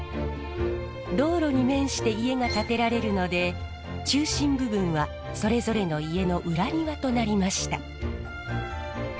道路に面して家が建てられるので中心部分はそれぞれの家の裏庭となりました。